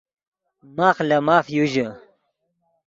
ماخ لے ماف یو ژے